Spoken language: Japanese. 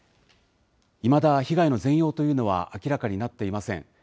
いまだ被害の全容というのは明らかになっていません。